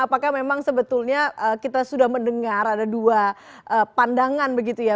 apakah memang sebetulnya kita sudah mendengar ada dua pandangan begitu ya